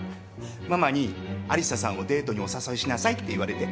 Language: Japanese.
ママに有沙さんをデートにお誘いしなさいって言われて。